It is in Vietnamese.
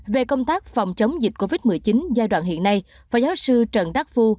về công tác phòng chống dịch covid một mươi chín giai đoạn hiện nay phó giáo sư trần đắc phu